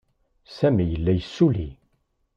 Sami yella yessulli.